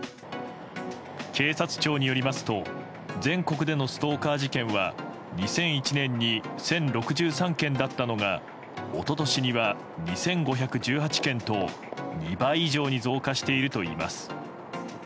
警察庁によりますと全国でのストーカー事件は２００１年に１０６３件だったのが一昨年には２５１８件と２倍以上に増加しているといいます。